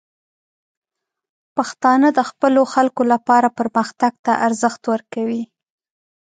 پښتانه د خپلو خلکو لپاره پرمختګ ته ارزښت ورکوي.